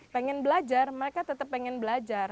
pengen belajar mereka tetap pengen belajar